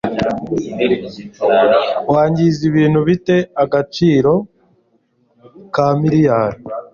wangiza ibintu bi te agaciro ka miriyari